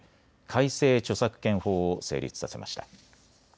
改正著作権法を成立させました。